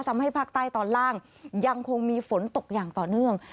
ทำให้ภาคใต้ตอนล่างยังคงมีฝนตกอย่างต่อเนื่อง